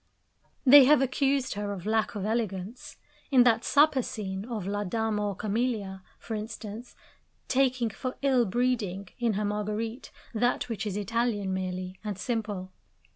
They have accused her of lack of elegance in that supper scene of La Dame aux Camelias, for instance; taking for ill breeding, in her Marguerite, that which is Italian merely and simple.